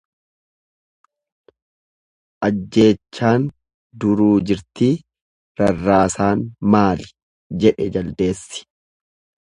Ajjeechaan duruu jirtii rarraasaan maali jedhe jaldeessi.